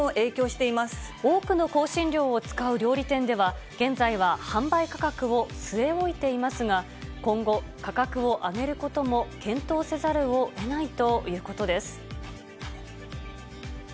多くの香辛料を使う料理店では、現在は販売価格を据え置いていますが、今後、価格を上げることも検討せざるをえないということです。